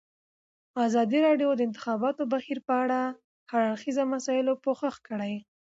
ازادي راډیو د د انتخاباتو بهیر په اړه د هر اړخیزو مسایلو پوښښ کړی.